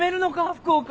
福岡。